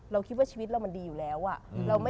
เราคิดว่าชีวิตเรามันดีอยู่แล้วอะ